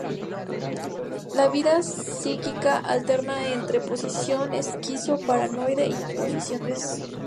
La vida psíquica alterna entre posición esquizo-paranoide y posición depresiva.